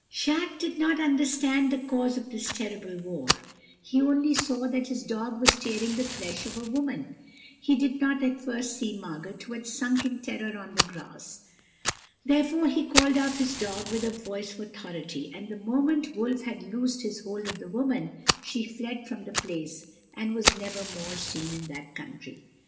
"Jacques did not understand the cause of this terrible war; he only saw that his dog was tearing the flesh of a woman; he did not at first see Margot, who had sunk in terror on the grass; therefore he called off his dog with a voice of authority, and the moment Wolf had loosed his hold of the woman, she fled from the place, and was never more seen in that country.